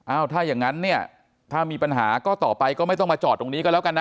ถ้าอย่างนั้นเนี่ยถ้ามีปัญหาก็ต่อไปก็ไม่ต้องมาจอดตรงนี้ก็แล้วกันนะ